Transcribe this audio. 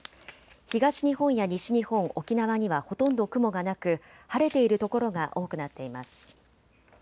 東日本や西日本、沖縄にはほとんど雲がなく晴れている所が多くなっています。